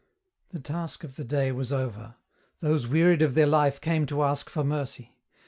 The task of the day was over ; those wearied of their life came to ask for mercy.